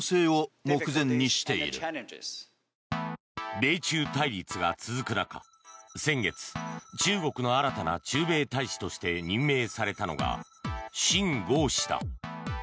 米中対立が続く中、先月中国の新たな駐米大使として任命されたのがシン・ゴウ氏だ。